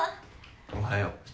おはよう。